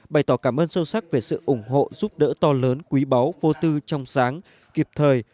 bày tỏ cảm ơn sâu sắc về sự ủng hộ giúp đỡ to lớn quý báu vô tư trong sáng kịp thời